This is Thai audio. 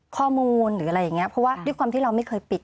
ข้อมูลหรืออะไรอย่างนี้เพราะว่าด้วยความที่เราไม่เคยปิด